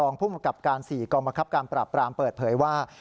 รองภูมิกับการ๔กรมกรับการปราบปรามเปิดเผยว่า